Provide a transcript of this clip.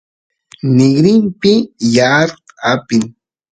nigrinpi yaar apin